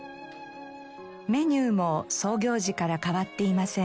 メニューも創業時から変わっていません。